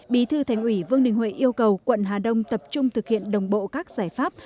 bí thư thành ủy vương đình huệ yêu cầu quận hà đông tập trung thực hiện đồng bộ các giải pháp